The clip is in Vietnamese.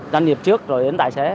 doanh nghiệp trước rồi đến tài xế